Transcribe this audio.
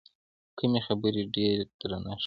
کمې خبرې، ډېر درنښت.